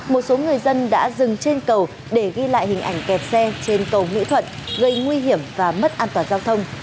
một số người dân đã dừng trên cầu để ghi lại hình ảnh kẹt xe trên cầu mỹ thuận gây nguy hiểm và mất an toàn giao thông